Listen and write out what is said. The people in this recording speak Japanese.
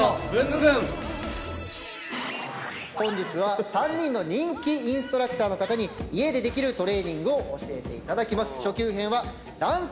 本日は３人の人気インストラクターの方に家でできるトレーニングを教えていただきます。